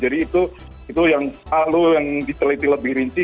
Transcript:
jadi itu yang selalu yang diteliti lebih rinci